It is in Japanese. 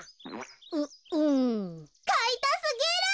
ううん。かいたすぎる！